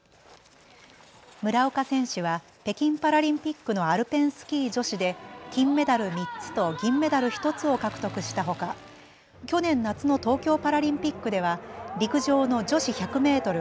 村岡選手は北京パラリンピックのアルペンスキー女子で金メダル３つと銀メダル１つを獲得したほか去年夏の東京パラリンピックでは陸上の女子１００メートル